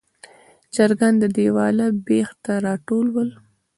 چرګان د دیواله بیخ ته راټول ول.